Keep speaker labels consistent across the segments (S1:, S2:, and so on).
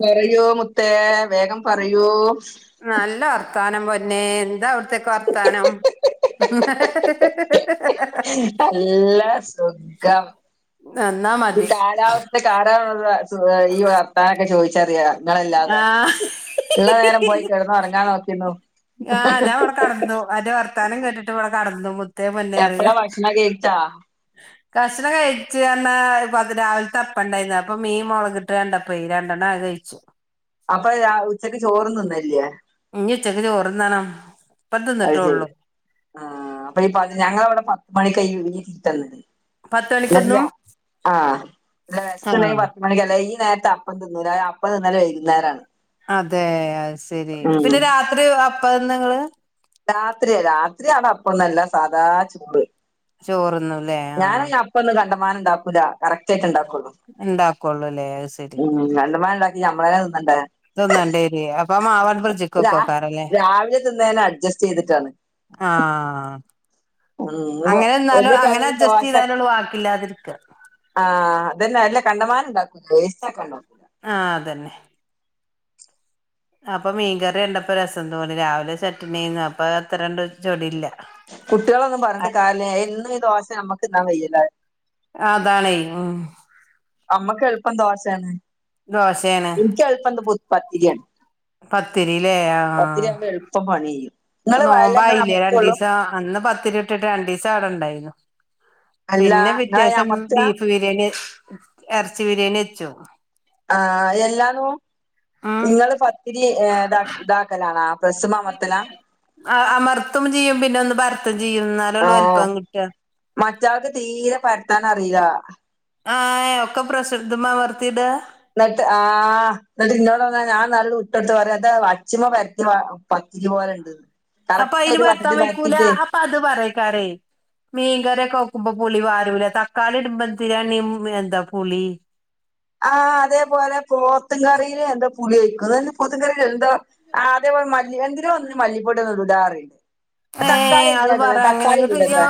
S1: പറയൂ മുത്തേ വേഗം പറയൂ
S2: ത്താനം പൊന്നേ എന്താ അവ്ടെതെക്കെ വർത്താനം
S1: നല്ല സുഖം
S2: എന്നാ
S1: ഈ
S2: മതി
S1: കാലാവസ്ഥ കാണ [unintelligible] ഈ വർത്താനൊക്ക ചോയ്ച്ചറിയാ
S2: ആ
S1: നിങ്ങളല്ലാതെ ള്ള നേരം പോയി കിടന്നുറങ്ങാൻ നോക്കിനോ
S2: ആ ഞാനിവ്ടേ കടന്നു അന്റെ വർത്താനം കേട്ടിട്ട് വ്ടെ കടന്നു മു മുത്തേ പൊന്നാരേ
S1: എപ്പളാ ഭക്ഷണം കഴിച്ചാ
S2: കഷ്ണം കഴിച്ച് അന്നാ പത് രാവിൽത്തപ്പണ്ടായിന്ന് അപ്പം മീൻ മൊളകിട്ട് കണ്ടപ്പഴെ രണ്ടെണ്ണക ഴ്ച്ചു
S1: അപ്പൊ അ ഉച്ചക്ക് ചോറും തിന്നില്ലേ
S2: ന്നി ഉച്ചക്ക് ചോറുണ്ണണം
S1: അത്ശെരി ആ അപ്പൊ ഈ പത് ഞങ്ങളവിടെ പത്തു മണിക്കയ്യു [unintelligible] ണത്
S2: പത്ത്
S1: നല്ല
S2: മണിക്കൊന്നും
S1: ആ നല്ല
S2: ആ
S1: വെസ്സ് ണ്ടെങ്കി പത്തുമണിക്കല്ലെ യ്യി നേരത്ത് അപ്പം തിന്നൂല അപ്പം തിന്നല് വൈകുന്നേരാണ്
S2: അതെ അയ്സെരി പിന്നെ രാത്രി അപ്പംന്ന് നിങ്ങള്
S1: രാത്രിയാ രാത്രിയാണ് അപ്പന്നല്ല സാദാചോറ്
S2: ചോറ്ന്നും
S1: ഞാന് ഇ അപ്പൊന്നും കണ്ടമാനം ണ്ടാക്കൂലാ കറക്റ്റ് ആയിറ്റുണ്ടാക്കുള്ളൂ
S2: ഇണ്ടാക്കുള്ളൂല്ലേ അത് ശരി
S1: ഉം കണ്ടമാനണ്ടാക്കി നമ്മളെന്നെ തിന്നണ്ടേ
S2: തൊന്നണ്ടേര് അപ്പൊ മാവട്ട്
S1: രാ
S2: ഫ്രിഡ്ജ്ക്കൊക്കൊക്കാറല്ലെ
S1: രാവിലെ തിന്നേനെ അഡ്ജസ്റ്റ് ചെയ്തിട്ടാണ്
S2: ആഹ്
S1: ഉം വോ
S2: അങ്ങനെ എന്നാലും
S1: എന്റെ
S2: അങ്ങനെ
S1: കടേല്
S2: അഡ്ജസ്റ്റ്
S1: ദോശ
S2: ചെയ്താലുള്ളൂ ബാക്കില്ലാതിരിക്ക
S1: ആഹ് അതെന്നാ എല്ല കണ്ടമാന ണ്ടാക്കൂല വേസ്റ്റ് ആക്കണ്ട
S2: ആഹ് അതന്നെ അപ്പൊ മീൻകറിയണ്ടപ്പ രസം തോന്നി രാവിലെ ചട്ട്നി എയ്ന്ന് അപ്പൊ അത്രണ്ട് ചൊടില്ല
S1: കുട്ടികളൊന്നും പർഞ്ഞിട്ട് കാര്യല്ല എന്നും ഈ ദോശ നമ്മക്ക് ന്നാൻ കയ്യില
S2: അതാണേ ഉം
S1: അമ്മക്ക് എൾപ്പം ദോശേണ്
S2: ദോശേണ്
S1: ഇൻക്ക് എൾപ്പം ന്ത്‌ പത്തിര്യാണ്
S2: പത്തിരി ലേ ആ
S1: എളുപ്പം പണി ചെയ്യും നിങ്ങള് വയല ഇങ്ങള്
S2: നോമ്പായിലേ
S1: അമർത്തുള്ളൂ
S2: രണ്ടീസം അന്ന് പത്തിരി ഇട്ടിട്ട് രണ്ടീസം അവ്ടെണ്ടായി
S1: അല്ല
S2: പിന്നെ
S1: നിങ്ങള്
S2: പിറ്റേസം
S1: അമർത്ത
S2: ബീഫ് ബിരിയാണി എർച്ചി ബിരിയാണി യെച്ചു
S1: ആഹ് എല്ലാ നോ
S2: ഉം
S1: നിങ്ങള് പത്തിരി ഏ ദ ദാക്കലാണോ പ്രസ്സ്മ്മ അമർത്തല
S2: അമർതും ചെയ്യും പി
S1: ആ
S2: കിട്ടുക
S1: മറ്റാൾക്ക് തീരെ പര്ത്താൻ അറീല
S2: ആഹ് എ ഒക്ക പ്രസ്സ്ദ്മ്മ അമർത്തിടാ
S1: ന്നട്ട് ആഹ് ന്ന്ട്ട് ഇന്നോട് വന്നാ ഞാൻ നല്ലട് ഉ ട്ടട്ത്ത് പറയാ ത് അച്ചിമ പര്ത്ത്യ മ പത്തിരി പോലെ ണ്ട്ന്ന്
S2: അപ്പൊ അയ്ന് പര്ത്താൻ വയ്ക്കൂല അപ്പ അത് പറയെക്കാരെ മീൻകറിയൊക്ക വെക്കുമ്പോ പുളി വാരൂല തക്കാളി ഇട്മ്പ ന്തിനാണീ മ് എന്താ പുളി
S1: ആഹ് അതേപോലെ പോത്തും കറിയില് എന്ത പുളിയൊയ്ക്ക [unintelligible] പൊത്തുംകറീല് എന്ത അതേപോ മല്ലി എന്തിനോ ഒന്നിന് മല്ലിപ്പൊടൊന്നു ടൂലാറിയും തക്കാ
S2: ഏഹ് അത് പറ അങ്ങനെ ന്നു ചെയ്യോ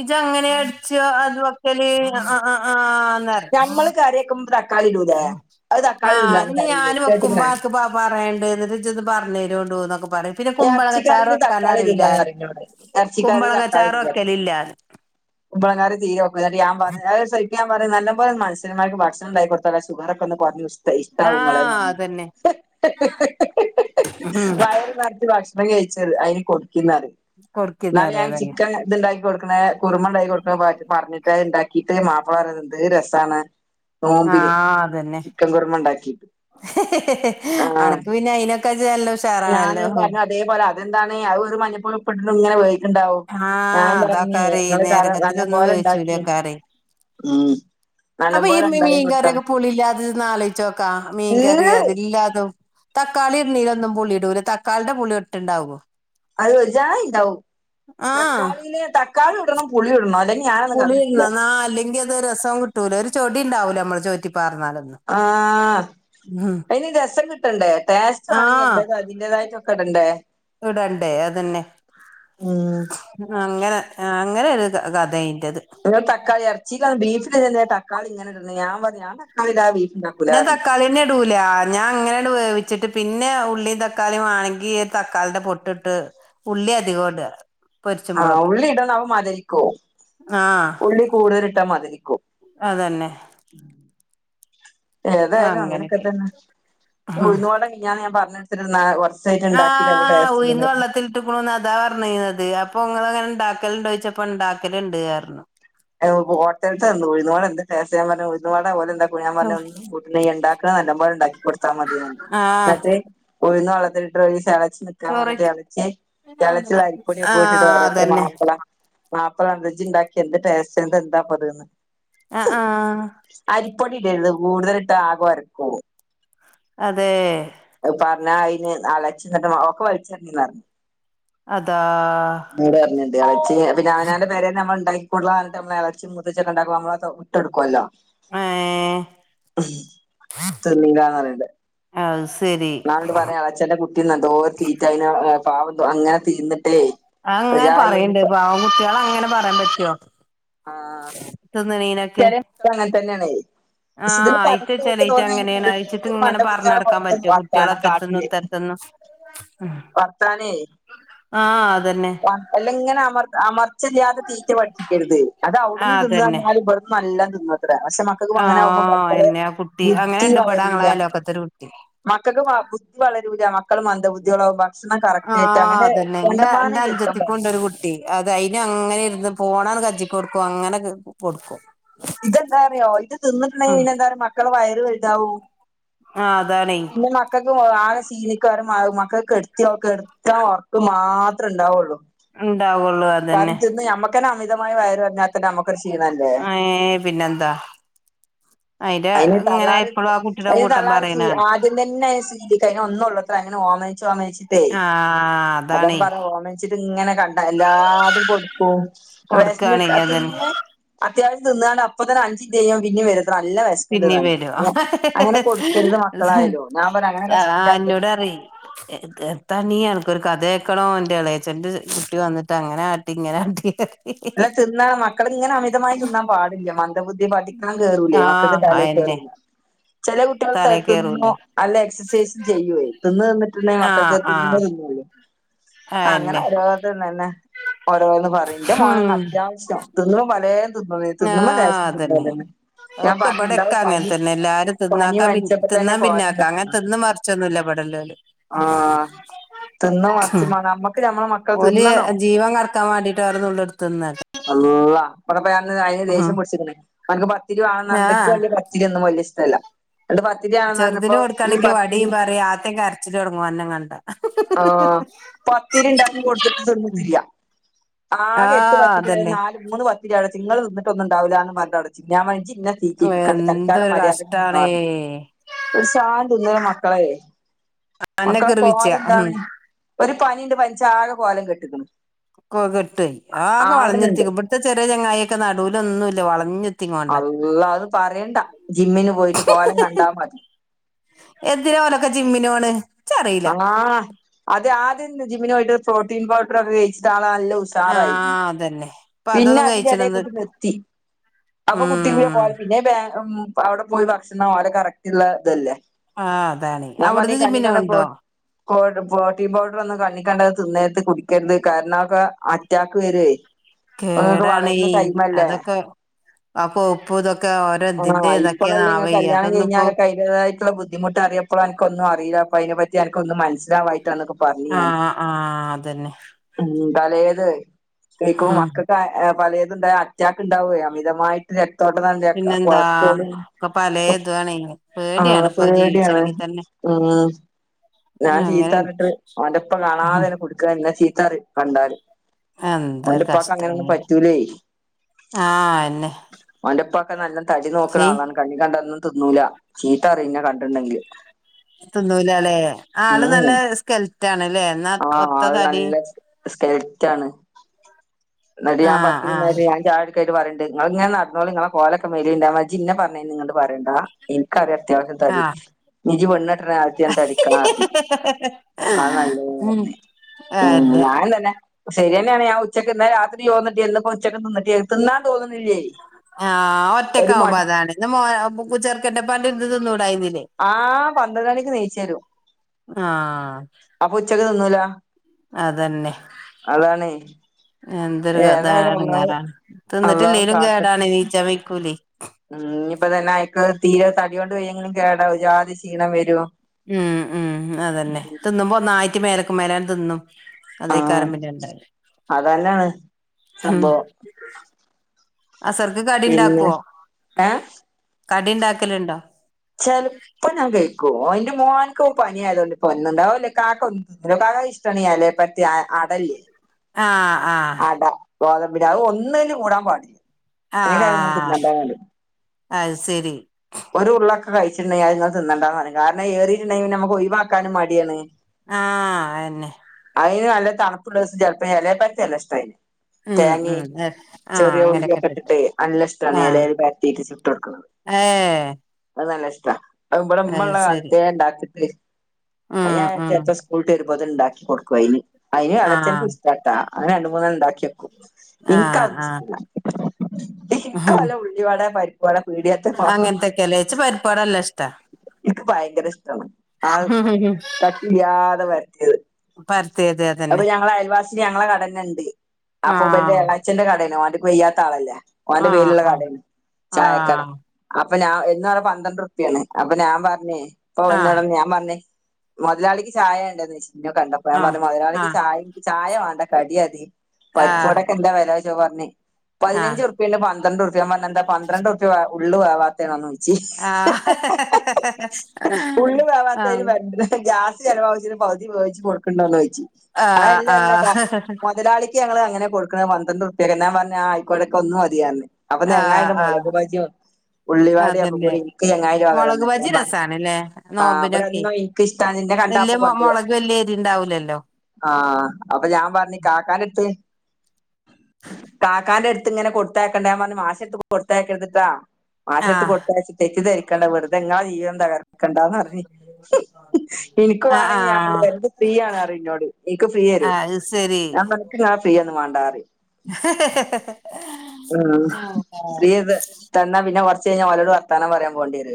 S2: ഇജ്ജ് അങ്ങനെ അട്ച്ച്അ അത് വക്കല് അ അ ആഹ്
S1: നമ്മള് കറിയെക്കുമ്പൊ തക്കാളിടൂല്ലേ അവ്
S2: ആഹ് ന്നി ഞാന് വെക്കുമ്പോ ആക്ക് പ പറയെണ്ട്ന്ന് ജ്ജോന്ന് പർഞ്ഞെരൂണ്ടൂന്ന്
S1: എർച്ചിക്കറിൽ തക്കാളി
S2: അറിയില്ല
S1: ടൂലാന്നറിയു ന്നോട് എർച്ചിക്കറിൽ തക്കാളി
S2: കുമ്പളങ്ങച്ചാറ്
S1: ടൂല
S2: വെക്കലില്ലാന്ന്
S1: ഉളങ്ങാരറി തീരെ വക്ക ാാ ഞാൻ പറ നല്ല പോല മനഷ്യന്മാക്ക്ക്ഷണം ഉണ്ടായി കൊടുത്തല്ലോുഗർൊക്ക ഒന്ന് പറഞ്ഞ ഇഷ്ടാവങ്ങളെ
S2: ആഹ്
S1: നന്നി
S2: അതന്നെ ഉം
S1: വയറിമാ ഭക്ഷണം കഴിച്ചത് അതിനനണ്ട് എന്നാലെ
S2: കൊടുക്കുന്നറിയ
S1: ഞാൻ
S2: അതന്നെ
S1: ചിക്കൻ ഇത്ണ്ടാക്കി കൊടുക്കുന്ന കുറുമ ഉണ്ടാക്കി കൊടുക്കുന്നാക്ക പറഞ്ഞിട്ട് ഇണ്ടാക്കിട്ട് മാപ്പള വറത്ണ്ട് രസമാണ് നോമ്പിന ചിക്കൻ കുറുമ ഉണ്ടാക്കി
S2: അണക്ക് പിന്നെ അയിനൊക്കെച്ചല്ലോ ഉഷാറാണല്ലോ
S1: പറഞ്ഞു അതേപോലെതെന്താണ് ഒരു മഞ്ഞപ്പൾട ഇങ്ങനെ ഇണ്ടാവും ഞാൻ
S2: ആഹ്
S1: പറഞ്ഞേ
S2: അതാക്കാരെ
S1: നി കറ നല്ല
S2: നേരങ്ങത്തിലൊന്നും
S1: പോലെ ഇണ്ടാക്കി
S2: വേവിച്ചൂലേക്കാരെ
S1: ആഹ
S2: അപ്പൊ ഈ മീൻകറിയൊക്കെ പുളില്ലാതെ നാള ചോക്കാ മീൻകറി
S1: ഈഹ്
S2: അതില്ലാതും തക്കാളി ഇണ്ണീയിലൊന്നും പുുള്ളി ഇടൂല്ല തക്കാളിന്റെ പുുള്ളി ഇട്ടണ്ടാവോ
S1: അത് വച്ചാ ഉണ്ടാവും
S2: ആഹ്
S1: തക്കാളിയില് തക്കാളി ഇടണം പുളി ഇടണം അതന്ന
S2: പുളിന്ന ന അല്ലെങ്കിൽ അത് രസം കിട്ടൂല ഒരു ചെടിണ്ടാവൂല നമ്മള് ചോറ്റി പറഞ്ഞാലന്നു
S1: ആഹ്
S2: ഉ
S1: അയിന് രസം കിട്ടണ്ടേ ടേസ്റ്റ് വേണെങ്കി
S2: ആഹ്
S1: എല്ലതും അതിന്റേതായിട്ടൊക്കെ ഇടണ്ടേ
S2: ഇവിടണ്ടേ അത്ന്നെ
S1: ഉം
S2: അങ്ങനെ അങ്ങനെ ഒരു കഥന്
S1: നിങ്ങൾ തക്കാളി ഇറച്ചി ബീഫെന്നെ തക്കളി ഇങ്ങനെ ഇട ഞൻ പറഞ്ഞ ഞൻ തക്കാളിട ബീഫ് ഇണ്ടാക്കൂലാ
S2: ഞാൻ
S1: പറഞ്ഞ്
S2: തക്കാളിന്നെ ഇടുല ഞാൻ അങ്ങനെ ഇടു വെച്ചിട്ട് പിന്നെ ഉള്ളിയും തക്കാളിയും ആണെങ്കി തക്കാളിുടെ പൊട്ട്ട്ട് ഉള്ളി അധികം ഇട
S1: ആഹ
S2: പൊരിച്ചുമ്പളൊക്കെ
S1: ഉള്ളി ഇടാവ മാതിരിക്കുവോ
S2: ആഹ്
S1: ഉള്ളി കൂടുതല ഇട്ടാ മതിരിക്കൂ
S2: പിന്ന
S1: ഏതായാലും അങ്ങനെയൊക്കെ തന്നെ ഒഴുന്ന കൊടെ കിഞാൻ ഞാൻ പറഞ്ഞടുത്തിുന്ന
S2: ആ ഉയിന്ന വെള്ളത്തിൽട്ടക്കണന്ന് അതാ പറഞ്ഞന്നത് അപ്പൊങ്ങ അങ്ങനെ ഉണ്ടാക്കൽണ്ട ചോദിച്ചപ്പ ഉണ്ടാക്കൽണ്ട് അർഞ്ഞ്
S1: ഓട്ടയത്ത് ഉഴുന്നു വടെ എന്ത ടെസ ഞ്ഞപറഞ്ഞ് ഉഴുന്നുവട ഓല് എന്ത ഞാൻ പറഞ്ഞ ഒന്ന് കൂട്ട നെയ്യ ഉണ്ടാക്കുന്ന നല്ല മ്പോലെ ഉണ്ടാക്കി കൊടുത്താൽ മതിഅർഞ്ഞു
S2: ആഹ്
S1: ഇന്നട്ട് ഉഴുന്ന് വളള്ളത്തിട്ട് നിക്കാൻ വന്നിട്ട്
S2: ചോറെയ്ച്ച്
S1: ഇളച്ചി ഇളച്ചി അരിപ്പൊടിയൊക്കെ ഇട്ടിട്ട്
S2: ആഹ്
S1: രത്ര
S2: അതന്നെ
S1: മാപ്പിള മാ അപ്പജി ഉണ്ടാക്കി എന്ത് ടേസ്റ്റ്ന്ന് എന്താപ്പത്ന്ന്
S2: ആ ആ
S1: പ്പൊടിടരുത് കൂടുതലിട്ട് ആകോര്ക്കും
S2: അതെ
S1: പറഞ്ഞ അതിന് അലച്ച ഒക്കെ വലിച്ചിറങ്ങിന്ന് പറഞ്ഞു
S2: അതാ
S1: നീ പറഞ്ഞിട്ടണ്ട് എള്ച്ചി അവനാന്റെ പേരെ നമ്മളണ്ടായി കടുള്ളതട്ട നമ്മള് ഇലച്ചും മുതച്ചൊക്കെണ്ടാക്കും നമ്മള അത്ട്ടെടുക്കുവല്ലോ
S2: ഏഹ്
S1: തന്നീല്ലാന്ന് പറയണ്ടെ
S2: അത് ശരി
S1: എന്നള പറയാ അളച്ചഛൻ്ന്റെ കുട്ടിന്ന് എന്തോ തീറ്റ അതിന് പാവന്ത അങ്ങനെ തീന്ന
S2: ആ അങ്ങനെ പറയണ്ട് പാവൻ കുട്ടികള അങ്ങനെ പറയാൻ പറ്റുവോ
S1: ആ
S2: തിന്ന്ണിനൊക്കെ
S1: തന്നെയണെ
S2: ചെലയിറ്റ അങ്ങനെയാണ് അയിച്ചിട്ട് ഇങ്ങനെ പറഞ്ഞ്
S1: [unintelligible]
S2: ആ
S1: വർത്താനേ
S2: ആഹ് അതന്നെ
S1: അല്ല ഇങ്ങനെ അമർ അമർ ച്ചല്ലാതെ തീറ്റ പഠപ്പിക്കരുത് അത് അവിടുന്ന്
S2: ആഹ്
S1: തിന്ന്ന്ന
S2: അതന്നെ
S1: എന്നാലും ഇവിടു നല്ലാം തിന്ന പക്ഷെ മക്കൾ അങ്ങനെ ആകുമ്പ
S2: ആഹ്
S1: അത്രരെ
S2: എന്നെ ആ കുട്ടി
S1: ബുദ്ധി
S2: അങ്ങനെണ്ട് ഇവിടെ ഞങ്ങളെ
S1: വളരല്ല
S2: അയലോക്കത്തൊരു കുട്ടി
S1: മക്കക്ക് വ ബുദ്ധി വളരൂല മക്കള് മന്ദബുദ്ധികളാവും ഭക്ഷണം
S2: ആഹ്
S1: കറക്റ്റായിട്ടങ്ങനെ
S2: അതന്നെ എന്റെ
S1: കണ്ടമാനം
S2: എന്റെ
S1: കേൾക്കൻ
S2: അനുജത്തിക്കും
S1: പാടില്ല
S2: ഉണ്ട് ഒരു കുട്ടി അത് അയിന് അങ്ങനെ ഇരുന്ന് പോണാണ് കജ്ജിക്കോട്ക്ക് അങ്ങനെ കൊടുക്കും
S1: ഇതെന്താറിയോ ഇത് തിന്നിട്ടുണ്ടെങ്കങ്ങ
S2: ഉം
S1: പിന്നെന്താ മക്കളെ വയറ് വലുതാവും
S2: ആഹ് അതാണേ
S1: പിന്നെ മക്കക്ക് ആകെ തീനിക്കാരമാകും മക്കൾക്ക് കെടത്തിയ എടുത്ത ഒറക്കം മാത്രേ ഉണ്ടാവുള്ളൂ
S2: ഉണ്ടാവുള്ളൂ അതന്നെ
S1: കാരണം തിന്ന് ഞമ്മക്കന്നെ അമിതമായി വയറ് നറഞ്ഞാ തന്നെ നമുക്ക്
S2: ഏ പിന്നെന്താ അതിന്റെ
S1: അതിന്
S2: ഇങ്ങനെ
S1: തള്ളാര്
S2: എപ്പളും ആ കുട്ടിടെ
S1: അതിന്
S2: കൂട്ടം
S1: തള്ളാര്
S2: പറയും
S1: ആദ്യം തന്നെ സിദ്ധിക്ക അയിനൊന്നൊള്ളുത്രെ അങ്ങനെ ഓമനിച്ച് ഓമനിച്ചിട്ടേ
S2: ആഹ്
S1: അതെ
S2: അതാണേ
S1: പറഞ്ഞ് ഓമനിച്ചിട്ട് ഇങ്ങനെ കണ്ട എല്ലാതും കൊടുക്കും
S2: കൊടുക്കാണേ
S1: വെശന്നിട്ടത്
S2: അതന്നെ
S1: ന്ന് അത്യാവശ്യം തിന്ന്കാണ്ട് അപ്പത്തന്നെ അഞ്ച്ന്റെയും പിന്നേം വരും നല്ല വിശക്കുണ്ട്
S2: പിന്നേം
S1: താനും
S2: വരു
S1: അങ്ങനെ കൊടുക്കരുത്
S2: ഹ-ഹ-ഹ-ഹ-ഹ
S1: മക്കളായാലും ഞാൻ പറയാം അങ്ങനെയൊക്കെ
S2: ആ
S1: ശീലാക്കരുത്
S2: എന്നോടറിം എത്തണ്ണി അൻക്കൊരു കഥകേൾക്കണോ എന്റെ ഇളേച്ചന്റെ കുട്ടി വന്നിട്ട് അങ്ങനൊട്ടി ഇങ്ങനെകാട്ടി
S1: അല്ല തിന്നാൻ മക്കളിങ്ങനെ അമിതമായി തിന്നാൻ പാടില്ല മ ബുദ്ധി പാഠിക്കാൻ കേറൂലേ മക്കക്ക്
S2: ആഹ്
S1: തലേ
S2: അയന്നെ
S1: കേറൂലേ ചെല കുട്ടികൾ
S2: തലേ
S1: തിന്നു
S2: കേറൂലേ
S1: നല്ല എക്സസൈസും ചെയ്യുഏ തിന്നുതിന്നി കിട്ട്ണ
S2: ആഹ്
S1: മക്കക്ക്
S2: ആഹ്
S1: തിന്നണംന്നില്ലല്ലോ അങ്ങനെ
S2: അയന്നെ
S1: ഓരോര്ത്തരും തന്നെ ഓരോന്ന് പറയ്ണ്ട് എന്റെമോന്ന്
S2: ഉം
S1: അത്യാവശ്യം തിന്നുമ്പം പാലേം തിന്നും തിന്നുമ്പോ ലേശം തിന്നലെന്നെ
S2: ഓക്കെ ഇബടെക്കങ്ങനെ തന്നെ എല്ലാരും
S1: പനി
S2: തിന്നാക്കാൻ പി
S1: പനിച്ചപ്പോ തന്നെ
S2: തിന്നാൻ
S1: കോലം
S2: പിന്നാക്കാ അങ്ങനെ തിന്ന് മറിച്ചൊന്നുല്ല ഇബടെ എല്ലാലോ
S1: ആ തിന്ന് മറിച്ച്ന്നാ നമ്മക്ക് ഞമ്മളെ മക്കള്
S2: ഓല്
S1: തിന്നണോ
S2: ജീവൻ കടക്കാൻ വേണ്ടിട്ട് ഓരോ നുള്ളെടുത്ത്ന്നട്ട്
S1: അള്ളാഹ് ഇബടെ ഇവന് താഴെ ദേഷ്യം പിടിച്ച്ക്കണ് അവനക്ക് പത്തിരി വേണംന്നറഞ്ഞിട്ട് എനിക്ക്
S2: ആഹ്
S1: വലിയ പത്തിരിയൊന്നും വല്യ ഇഷ്ടല്ല ന്നട്ട് പത്തിരി വാണംന്ന്
S2: ചെറുതിന്
S1: പറഞ്ഞപ്പോ ഈ
S2: കൊടുക്കാണെങ്കി
S1: പത്തിരി
S2: വടിയും പറയും ആദ്യം കരച്ചില് തൊടങ്ങും അന്നം കണ്ടാ ഹ്-ഹ്-ഹ്-ഹ്-ഹ്
S1: പത്തിരിണ്ടാക്കി കൊടുത്തിട്ട് തിന്നിട്ടില്ല
S2: [inaudible]
S1: ആകെ എട്ട്
S2: ആഹ്
S1: പത്തിരിണ്ടാര്ന്ന്
S2: അതന്നെ
S1: നാല് മൂന്ന് പത്തിരി അവടെച്ച് നിങ്ങള് തിന്നിട്ടൊന്നുണ്ടാവില്ലാന്ന് പറഞ്ഞ്ട്ടാടെവച്ച് ഞാൻപറഞ്ഞ് ജ്ജ് ഇന്നെ തീറ്റിപ്പിക്കാണ്ട് തൽക്കാലം
S2: എന്തൊരു
S1: മര്യാദക്ക് തിന്നോ
S2: കഷ്ടാണേ
S1: പറഞ്ഞു ഒരു സാധനം തിന്നുല മക്കളെ
S2: അന്നെ
S1: മക്കള
S2: കിർവിച്ച
S1: കോലം
S2: ഉം
S1: എന്താണ് ഒരു പനിങ്ങ്ണ്ട് പനിച്ചാ ആകെ കോലം കെട്ടിക്ക്ണ്‌
S2: കൊ കെട്ടോയി ആകെ വളഞ്ഞെത്തിക്കണ് ഇവിടത്തെ ചെറിയ ചങ്ങായൊക്കെ നടുലൊന്നുല്ല
S1: അള്ളാ അത് പറയണ്ട ജിമ്മിന് പോയിട്ട് കോലം കണ്ടാ മതി
S2: എന്തിനാ ഓലൊക്കെ ജിമ്മിനോണ് ഇച്ചറീല
S1: ആഹ് അത് ആദ്യം ജിമ്മിനു പോയിട്ട് പ്രോട്ടീൻ പൗഡറൊക്കെ കഴിച്ച് ട്ടാള് നല്ല ഉഷാറായിരുന്നു
S2: ആഹ് അതന്നെ ഇപ്പൊ
S1: പിന്നെ
S2: അതൊന്നും കഴിച്ച്ണത്
S1: അതിന്റെടെക്കൂട്ടി നിർത്തി അപ്പൊ കുട്ടിയുടെ
S2: ഉം
S1: കോലം പിന്നേം ബേം അവിടെ പോയി ഭക്ഷണം ഓലെ കറക്റ്റുള്ള ഇതല്ലേ
S2: ആഹ് അതാണെ അവിടുന്ന് ജിമ്മിന് പോകുണ്ടോ
S1: പ്രൊട്ടീൻ പൗഡറൊന്നും കണ്ണിക്കണ്ടത് തിന്നരുത് കുടിക്കരുത് കാരണോക്കെ അ റ്റാക്ക് വരുവെ ഇപ്പൊ നിങ്ങക്ക്
S2: കേടാണേ
S1: വളരണ ടൈമല്ലേ
S2: അതൊക്കെ ആ കൊഴുപ്പും ഇതൊക്കെ ഓരോ ഇതിന്റെ
S1: ആ ഇപ്പളല്ലെങ്ങ
S2: ഇതൊക്കെയാണാവേ
S1: കല്യാണം
S2: അതൊന്നും ഇപ്പോ
S1: കഴിഞ്ഞാലൊക്കെ അതിന്റെതായിട്ടുള്ള ബുദ്ധിമുട്ടറിയും അയ്യപ്പൊടാ എനക്കൊന്നും അറിയില്ല ഇപ്പോ അയിനെപ്പറ്റി എനക്കൊന്നും മനസിലാവ ട്ട ന്നൊക്കെ പറഞ്ഞ് ഞാൻ
S2: ആഹ് ആഹ് അതന്നെ
S1: ഉം തലേത് കൈകുമ്പം
S2: ഉം
S1: പലേത്ണ്ട് അറ്റാക്ക്ണ്ടാകുവേ അമിതമായിട്ട് രക്തോട്ടന്നാ രക്
S2: പിന്നെന്താ
S1: കൊളസ്ട്രോളും
S2: ഒക്കെ പലേതുവാണേ
S1: ആഹ്
S2: പേടിയാണ് ഇപ്പൊ
S1: പേടിയാണ്
S2: ജീവിച്ചണെങ്കി തന്നെ
S1: ഉം
S2: ആ,
S1: ഞാൻ ചീത്ത
S2: അങ്ങനെ
S1: പറഞ്ഞിട്ട് അവന്റെപ്പ
S2: ഉം
S1: കാണാതന്നെ കൊടുക്ക്ആ ഇന്നാ ചി- ത്തറി കണ്ടാല്
S2: എന്തരു
S1: ഓന്റെപ്പാക്ക് അങ്ങനൊന്നും
S2: കഷ്ടങ്ങ
S1: പറ്റൂലേ
S2: ആഹ എന്നെ
S1: അവന്റെപ്പ ഒക്കെ നല്ല തടി നോക്കുന്ന ആളാണ് കണ് കണ്ടന്നും തിന്നൂല ചീത്തഅറിയും കണ്ടിണ്ടെങ്കില്
S2: തിന്നൂലല്ലേ ആള് നല്ല
S1: ഉം
S2: സ്കെൽറ്റ ആണല്ലേ എന്നാ ഒത്ത തടി
S1: കെൽറ്റാണ് എന്നട്ട ഞാൻ
S2: ആഹ് ആഹ്
S1: പത്തിരിന്നാല് ഞാൻ ചായ പറണ്ട് നിങ്ങള് ങ്ങനെ നടന്നോളി നിങ്ങളെ കോലൊക്കെ മെലിണ്ട് ജി ന്നെ പറഞ്ഞയ്ന് ങ്ങട്ട് പറണ്ടാ എിക്കറിയ അത്യാവശ്യം തടി
S2: ആഹ്
S1: ഇജി പെണ്ണിട്ട കാലത്ത് ഞാൻ തടിക്കാ റിഞ്ഞ് അ നല്ലതന്ന് പറഞ്ഞ്
S2: ആഹ അത
S1: ഉം ഞാൻ തന്നെ ശരിയന്നെയാണ് ആ ഉച്ചയ്ക്ക്ന്നാ രാത്രി തോന്നിട്ട് എന്നന്ന്പ്പോ ഉച്ചക്ക് തിന്നണ്ടിരു തിന്നാ തോന്നി
S2: ആഹ് ഒറ്റക്കാവുമ്പോ
S1: മട്
S2: അതാണ് ന്നാ ചെർക്കന്റെപ്പണ്ടിര്ന്ന് തിന്നുടായിരുന്നോ
S1: ആഹ പന്ത്രണ്ട് മണിക്ക് നിയ്ച്ചരും
S2: ആഹ്
S1: അപ്പൊ ഉച്ചക്ക് തിന്നൂല
S2: അതന്നെ
S1: അതാണ് ഏതായാലും
S2: എന്തൊരുതാണ്
S1: അള്ളാഹ്
S2: ഇങ്ങനെ തിന്നിട്ടില്ലെലും കേടാണ് നീച്ചാ വക്കൂല
S1: ഉ ഇപ്പ തന്നെ അയക്ക് തീരെ തടികൊണ്ട് വയ്യെങ്കിലും കേടാവ ജാതി ക്ഷീണം വരും
S2: ഉം ഉം അതന്നെ തിന്നുമ്പോ ഒന്നായിറ്റ മേലക്ക മേലൻ തിന്നും
S1: ആഹ്
S2: അതേയ്കാരം പിന്നെ ഉണ്ട
S1: അതന്നാണ്
S2: ഉ
S1: സംഭവം
S2: അസർക്ക് കടി
S1: പിന്നെ
S2: ഉണ്ടാക്കുവോ
S1: ഏഹ്
S2: കടി ഉണ്ടാക്കലുണ്ടോ
S1: ചെലപ്പോ ഞാൻ കഴിക്കൂ അതിന്റെ മോ എനക്ക് പനിയ ആയതോൊണ്ട് പൊന്നണ്ടാവുംല്ലെ കാക്ക ഒല്ല കാക്ക ഇഷ്ടണല്ലേ പ അടല്ലേ
S2: ആഹ് ആഹ്
S1: അടാ ഗോതമ്പിന്റെ അത് ഒന്നയ്ന് കൂടാൻ പാടില്ല [unintelligible]
S2: ആഹ്
S1: തിന്നണ്ടറിയും
S2: അത് ശരി
S1: ഒരു ഉള്ളൊക്കെ കഴിച്ചിട്ടുണ്ടെങ്കിൽ അങ്ങ തിണ്ടന്ന് പറഞ്ഞു കാരണം ഏറിയിട്ടുണ്ടെങ്കിൽ നമുക്ക് ഒഴിവാക്കാനും മടിയാണ്
S2: ആഹ അഎന്നെ
S1: അതിന് നല്ല തണുപ്പുള്ള ദിവസ [unintelligible] പ്പത്തി അല്ല ഇഷ്ട അതിന്
S2: ഉം ഉം
S1: തേങ്ങി
S2: ഏഹ് ആഹ്
S1: ചെറിയ
S2: അങ്ങനെയൊക്കെ
S1: ഉള്ളിയൊക്കെ ഇട്ടിട്ട് നല്ലഷ്ടാണ്
S2: ആഹ്
S1: എലേൽ പരത്തിയിട്ട് ചുട്ട് കൊടുക്കുന്നത്
S2: ഏ
S1: അത് നല്ല ഇഷ്ട അഹ് ഇവിടെ ഉമ്മ
S2: അത്
S1: ഉള്ള
S2: ശരി
S1: കാലത്തെ ഇണ്ടാക്കിട്ടെ അഹ്
S2: ഉം
S1: ഞാൻ
S2: ഉം
S1: ചെലപ്പം സ്കൂൾ വിട്ടു വരുമ്പോത് ഉണ്ടാക്കി കൊടുക്കും അയിന് അയിനും അളച്ചനും
S2: ആഹ്
S1: ഇഷ്ടട്ടൊ അങ്ങനെ രണ്ട് മൂന്നണം ഇണ്ടാക്കി വെക്കും ഇനിക്ക്
S2: ആഹ്
S1: ആതോന്നു
S2: ആഹ്
S1: ഇഷ്ടല്ല ഇനിക്ക് വെല്ല ഉള്ളിവാടേ പരിപ്പുവാടേ പിടിയത്തെ മത്ര
S2: കലച്ച [unintelligible] പരിപ്പുവട നല്ല ഇഷ്ട
S1: എനിക്ക് ഭയങ്കര ഇഷ്ടണ് ആ കട്ടില്ലാതെ പരത്തിയത്
S2: പരത്തിയത്
S1: അപ്പൊ
S2: അതന്നെ
S1: ഞങ്ങള അയൽവാസിന് ഞങ്ങളെ കടനെ ഇണ്ട് അപ്പം ഇബന്റെ
S2: ആഹ്
S1: ഇളയച്ഛന്റെ കടണ് വെയ്യാത്ത ആളല്ലേ ഓന്റെ പേരില്ള്ള
S2: ആഹ്
S1: കടാണ് ചായക്കട
S2: ആഹ്
S1: അപ്പൊ ഞാൻ എന്നോടെ [unintelligible] പന്ത്രണ്ട് റുപ്യണ് അപ്പൊ ഞാൻ പറഞ്ഞേ ഇപ്പൊ എന്നോട്
S2: ആഹ്
S1: ഞാൻ പറഞ്ഞേ മുതലളിക്ക് ചായണ്ടെന്ന് ചോയിച്ച് ഇനെ കണ്ടപ്പോ ഞാൻ പറഞ്ഞു മുതലളിക്ക്
S2: ആഹ്
S1: ചായ ചായാണ്ട കടിയാതി
S2: ആഹ്
S1: പരിപ്പുവടക്കെന്താ വേല ചോയിച്ചപ്പം പറഞ് പതിനഞ്ച് റുപിണ്ട് പന്ത്രണ്ട് റുപിണ്ട് ഞൻ പറഞ്ഞു എന്താ പന്ത്രണ്ട് റുപ്യ ഉള്ള് വേവത്താണേച്ചു
S2: ആഹ്
S1: ഉള്ള്
S2: ആഹ് ആഹ്
S1: വേവാത്തെ [unintelligible] ഒ ഗ്യാസ് ചെലവാകുച്ചിട്ട് പകുതി വേവിച്ച് കൊടുക്ക്ണ്ടോന്ന് ചോയിച്ച്
S2: ആഹ് ആഹ് ആഹ്
S1: അതല്ലല്ല
S2: ആഹ്
S1: മുതലാളിക്ക് ഞങ്ങൾ അങ്ങനെ കൊ പന്ത്രണ്ട് റുപ്യക്ക് തരാ ഞൻ പറഞ്ഞു ആയിക്കോട്ടെ ഇനിക്ക് ഒന്ന് മതിറഞ്ഞു അപ്പൊ
S2: ആഹ്
S1: ചെങ്ങായിണ്ട് മുളക്
S2: ആഹ്
S1: ബജി ഉള്ളിവടയി ഒക്കെ
S2: അതന്നെ
S1: കൂടി ഇനിക്ക് [unintelligible]
S2: മുളക് ബജി രസണല്ലേ
S1: ഇവിടെ
S2: നോമ്പിനൊക്കെ
S1: ഒന്നും എനിക്ക് ഇഷ്ടാണ് നിന്നെ കണ്ട
S2: വല്യ
S1: അപ്പൊ കൊണ്ടുവരാ
S2: മുളക് വല്യ എരിണ്ടാവു ഇല്ലല്ലോ
S1: ആ അപ്പൊ ഞാൻ പറഞ്ഞു കാക്കാന്റെ എട്ത്ത് കാക്കാന്റെ ഇങ്ങനെ കൊടുത്തക്കണ്ട ഞാൻ പറഞ്ഞു മാഷെട്ത്ത് കൊടുത്തായകര്ത്ടോ മഷെട്ത്ത്
S2: ആഹ്
S1: കൊടുത്തയച്ച തെറ്റ് ധരിക്കും ക്കണ്ട വെറുതെ ഇങ്ങളെ ജീവിതം തകർക്കണ്ട ണ്ടന്ന് പറഞ്ഞു ഇനിക്ക്
S2: ആഹ്
S1: വണെങ്കിൽ ഞൻ അയിലെ
S2: ആഹ്
S1: വരണ്ട് ഇനിക്ക് ഫ്രീയാണ് പറയും ഇന്നോട് ഇനിക്ക് ഫ്രീ [unintelligible]
S2: അത് ശരി
S1: ഞാൻ പറഞ്ഞു ഇക്ക് ഇങ്ങളെ ഫ്രീഒന്നും വാണ്ട
S2: [inaudible]
S1: ആ ഫ്രീ തന്നാ പിന്നെ കൊറച്ചഴിഞ്ഞാ ഓലോട് വർത്താനം പറയാൻ പോണ്ടി വരു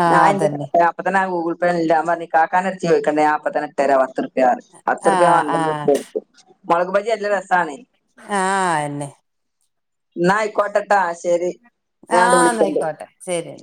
S2: ആഹ് അതന്നെ
S1: കാക്കാന്റെ എടുത്ത് ചോദിക്കണ്ട ഞാൻ ഇപ്പത്തന്നെ ഇട്ടെര പുത്തുരുപ്യ [unintelligible] പത്തുറുപ്യ
S2: ആഹ്
S1: പന്ത്രണ്ട്
S2: ആഹ്
S1: റുപ്യ മുളക് ബജി നല്ലെ രസാണ്
S2: ആ അന്നെ
S1: നാ അയ്ക്കോടെടാ ശരി
S2: ആ
S1: ഞാനങ്ങട് വിളിക്കണ്ട്
S2: ന്നയിക്കോട്ടെ ശരി